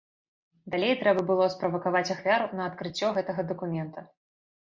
Далей трэба было справакаваць ахвяру на адкрыццё гэтага дакумента.